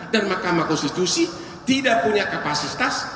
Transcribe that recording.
dan mahkamah konstitusi tidak punya kapasitas